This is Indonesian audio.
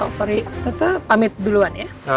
so sorry tante pamit duluan ya